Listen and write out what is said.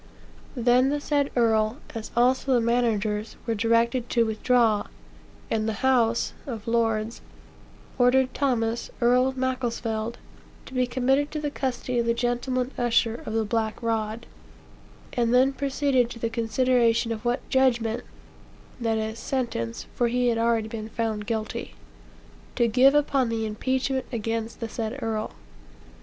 "Then the said earl, as also the managers, were directed to withdraw; and the House (of Lords) ordered Thomas, Earl of Macclesfield, to be committed to the custody of the gentleman usher of the black rod; and then proceeded to the consideration of what judgment," (that is, sentence, for he had already been found guilty,) "to give upon the impeachment against the said earl."